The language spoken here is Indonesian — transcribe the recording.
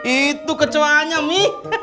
itu kecewaannya mi